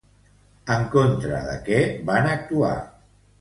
En contra de què van actuar?